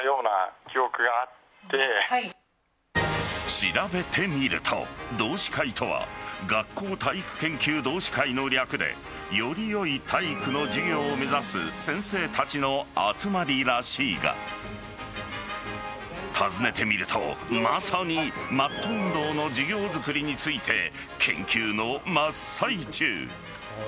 調べてみると、同志会とは学校体育研究同志会の略でより良い体育の授業を目指す先生たちの集まりらしいが訪ねてみるとまさにマット運動の授業づくりについて研究の真っ最中。